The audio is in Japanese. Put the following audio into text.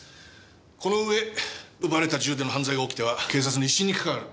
この上奪われた銃での犯罪が起きては警察の威信にかかわる。